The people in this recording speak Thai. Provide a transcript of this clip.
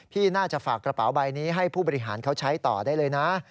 พี่น่าจะฝากกระเป๋าใบนี้ให้ผู้บริหารเขาใช้ต่อได้เลยนะ